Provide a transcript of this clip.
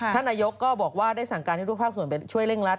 ท่านนายกก็บอกว่าได้สั่งการให้ทุกภาคส่วนช่วยเร่งรัด